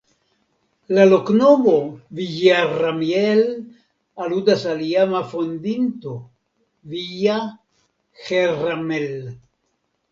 La loknomo "Villarramiel" aludas al iama fondinto ("Villa Herramel").